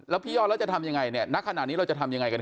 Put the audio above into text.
แล้วพี่ยอดแล้วจะทำยังไงเนี่ยณขณะนี้เราจะทำยังไงกันแ